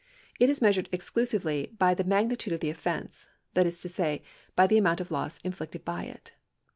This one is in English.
It is measured exclusively by the magnitude of tlie offence, that is to say, by the amount of loss inflicted by it.